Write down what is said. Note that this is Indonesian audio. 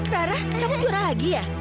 rarah kamu juara lagi ya